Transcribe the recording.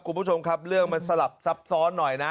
คุณผู้ชมครับเรื่องมันสลับซับซ้อนหน่อยนะ